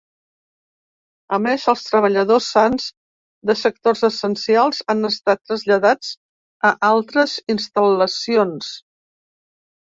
A més, els treballadors sans de sectors essencials han estat traslladats a altres instal·lacions.